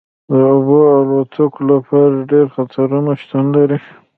د اوبو الوتکو لپاره ډیر خطرونه شتون لري